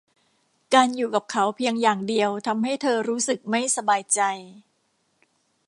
การอยู่กับเขาเพียงอย่างเดียวทำให้เธอรู้สึกไม่สบายใจ